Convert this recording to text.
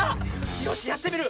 よしやってみる。